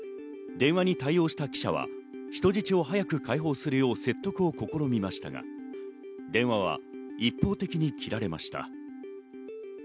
電話に対応した記者は人質を早く解放するよう説得を試みましたが電話は一方的に切られました。